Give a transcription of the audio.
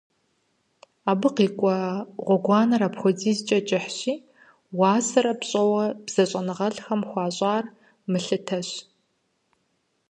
Абы къикӀуа гъуэгур апхуэдизкӀэ кӀыхьщи, уасэрэ пщӀэуэ бзэщӀэныгъэлӀхэм хуащӀыр мылъытэщ.